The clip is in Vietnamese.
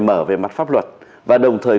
mở về mặt pháp luật và đồng thời